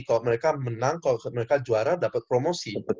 kalo mereka menang kalo mereka juara dapet promosi